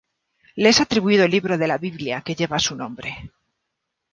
Le es atribuido el libro de la Biblia que lleva su nombre.